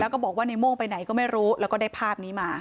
แล้วก็บอกว่าในโม่งไปไหนก็ไม่รู้แล้วก็ได้ภาพนี้มา